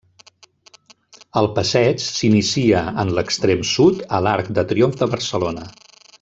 El passeig s'inicia, en l'extrem sud, a l'Arc de Triomf de Barcelona.